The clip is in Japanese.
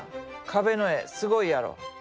壁の絵すごいやろ？